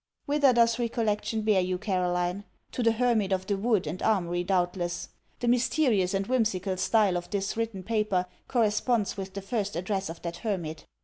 Whither does recollection bear you, Caroline? To the hermit of the wood and armoury, doubtless. The mysterious and whimsical stile of this written paper corresponds with the first address of that hermit.